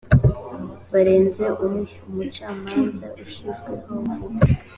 barenze umwe umucamanza ushyizweho vuba